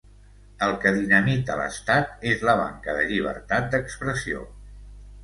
El que dinamita l’estat és la manca de llibertat d’expressió.